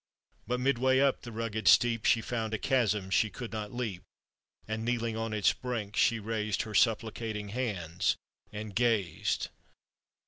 But midway up the rugged steep, She found a chasm she could not leap, And, kneeling on its brink, she raised Her supplicating hands, and gazed.